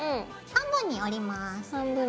半分に折ります。